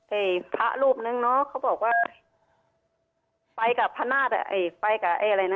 เฮ้ยพระรูปนึงเนอะเขาบอกว่าไปกับพระนาฏเอ่ยไปกับอะไรน่ะ